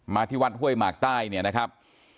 ที่วัดห้วยหมากใต้เนี่ยนะครับ